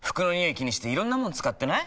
気にしていろんなもの使ってない？